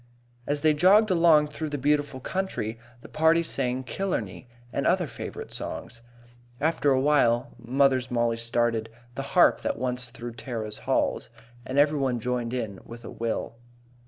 As they jogged along through the beautiful country, the party sang "Killarney" and other favourite songs. After awhile, Mollie's mother started "The harp that once thro' Tara's halls," and every one joined in with a will.